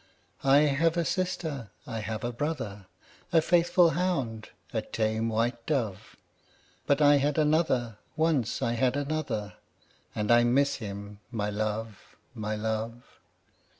I have a sister, I have a brother, A faithful hound, a tame white dove; 10 But I had another, once I had another, And I miss him, my love, my love!